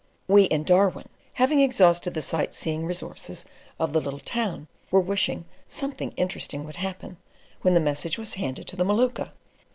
We in Darwin, having exhausted the sight seeing resources of the little town, were wishing "something interesting would happen," when the message was handed to the Maluka.